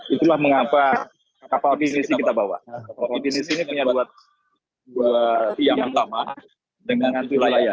itulah mengapa kapal indonesia kita bawa